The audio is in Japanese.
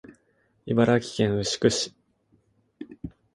茨城県牛久市